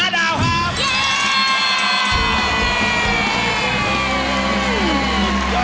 ดาวครับ